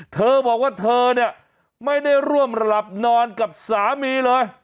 เธอบอกว่าเธอเนี่ยไม่ได้ร่วมหลับนอนกับสามีเลย